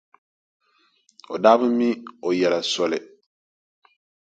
O daa bi mi o yɛla soli.